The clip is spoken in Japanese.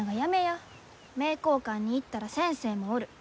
名教館に行ったら先生もおる。